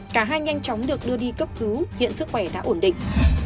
cả hai nhanh chóng được đưa đi cấp cứu hiện sức khỏe đã ổn định